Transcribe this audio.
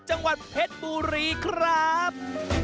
จังหวัดเพชรบุรีครับ